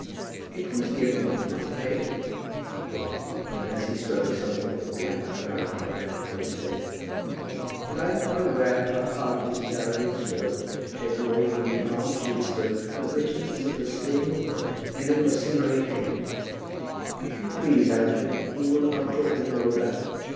"It was given, not paid," said Crawley; and as he spoke something of the black cloud came back upon his face. "And I am well aware how hard Mrs. Arabin strove to take away from the alms she bestowed the bitterness of the sting of eleemosynary aid. If you please, Arabin, we will not talk any more of that.